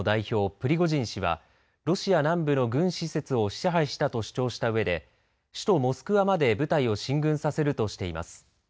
プリゴジン氏はロシア南部の軍施設を支配したと主張したうえで首都モスクワまで部隊を進軍させるとしています。